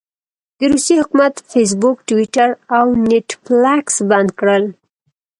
د روسيې حکومت فیسبوک، ټویټر او نیټفلکس بند کړل.